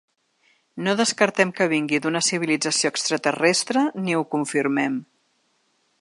No descartem que vingui d’una civilització extraterrestre ni ho confirmem.